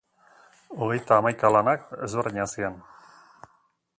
Hogeita hamaika lanak ezberdinak ziren.